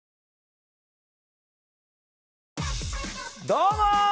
どうも！